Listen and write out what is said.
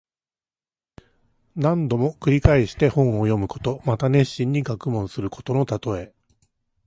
何度も繰り返して本を読むこと。また熱心に学問することのたとえ。